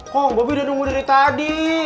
kok bobby udah nunggu dari tadi